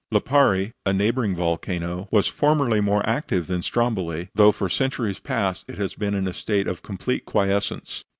Lipari, a neighboring volcano, was formerly more active than Stromboli, though for centuries past it has been in a state of complete quiescence.